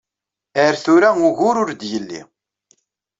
Ar tura ugur ur d-yelli.